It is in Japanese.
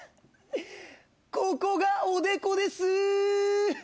ここがおでこです！